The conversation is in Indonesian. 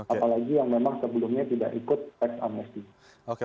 apalagi yang memang sebelumnya tidak ikut teks amnesti